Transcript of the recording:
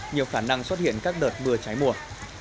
nhiều khả năng xuất hiện các đợt mưa trái mùa